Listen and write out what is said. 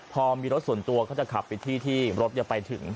พอมีรถส่วนตัวก็จะขับไปที่ที่รถยังไปถึง